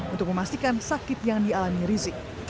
untuk memastikan sakit yang dialami rizik